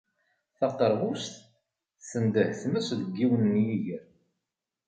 Taqerbust, tendeh tmes deg yiwen n yiger.